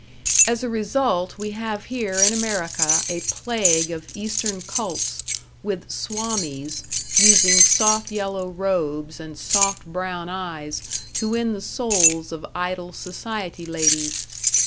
As a result we have here in America a plague of Eastern cults, with "swamis" using soft yellow robes and soft brown eyes to win the souls of idle society ladies.